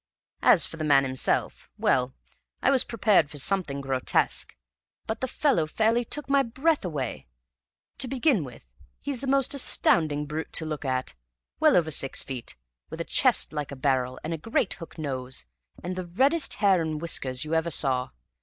"As for the man himself well, I was prepared for something grotesque, but the fellow fairly took my breath away. To begin with, he's the most astounding brute to look at, well over six feet, with a chest like a barrel, and a great hook nose, and the reddest hair and whiskers you ever saw.